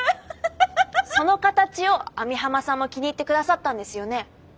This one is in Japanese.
その形を網浜さんも気に入って下さったんですよね？